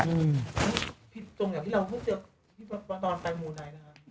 ตรงอย่างที่เราพูดเจอพี่ประตอบไปหมู่ในนะฮะ